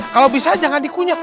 kalau bisa jangan dikunyap